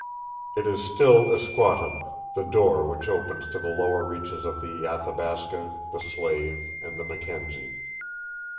It is still Iskwatam the "door" which opens to the lower reaches of the Athabasca, the Slave, and the Mackenzie.